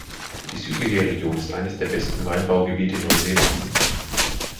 Die südliche Region ist eines der besten Weinbaugebiete Neuseelands.